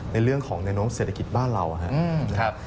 ในเรื่องของแนวโน้มเศรษฐกิจบ้านเรานะครับ